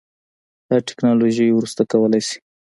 دا ټیکنالوژي وروسته کولی شي